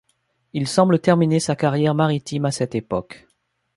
Il semble terminer sa carrière maritime à cette époque.